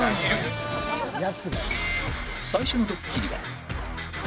最初のドッキリは